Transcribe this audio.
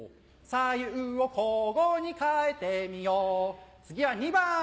左右を交互に変えてみよう次は２番！